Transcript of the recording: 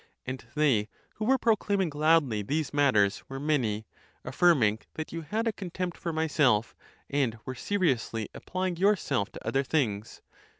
And they, who were proclaiming loudly these matters, were many, affirming that you had a contempt for myself, and were seriously apply ing yourself to other things.